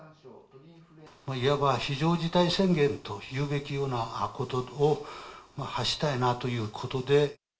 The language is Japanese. いわば非常事態宣言と言うべきようなことと、発したいなということで。